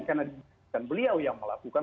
karena beliau yang melakukan